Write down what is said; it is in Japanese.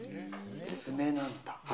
爪なんだ。